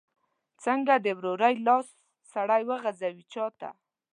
څنګه د ورورۍ لاس سړی وغځوي چاته؟